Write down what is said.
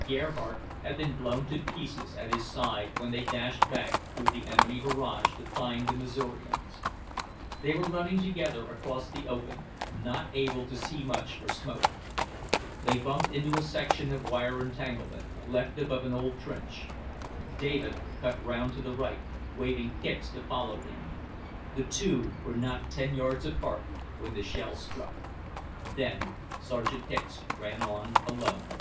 Gerhardt had been blown to pieces at his side when they dashed back through the enemy barrage to find the Missourians. They were running together across the open, not able to see much for smoke. They bumped into a section of wire entanglement, left above an old trench. David cut round to the right, waving Hicks to follow him. The two were not ten yards apart when the shell struck. Then Sergeant Hicks ran on alone.